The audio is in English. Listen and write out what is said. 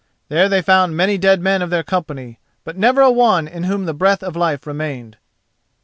There they found many dead men of their company, but never a one in whom the breath of life remained.